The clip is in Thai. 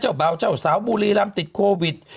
เจ้าเบาเจ้าสาวบูรีรัมติดโควิด